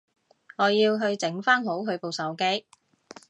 我要去整返好佢部手機